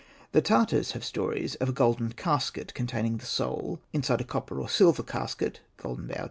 The Tartars have stories of a golden casket containing the soul, inside a copper or silver casket C' Golden Bough," ii.